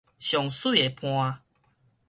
上媠的伴